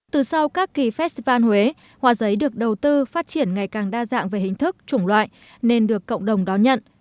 từ sau các kỳ festival huế hoa giấy được đầu tư phát triển ngày càng đa dạng về hình thức chủng loại nên được cộng đồng đón nhận